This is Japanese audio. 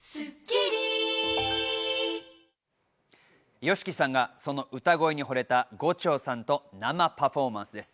ＹＯＳＨＩＫＩさんが、その歌声に惚れた後町さんと生パフォーマンスです。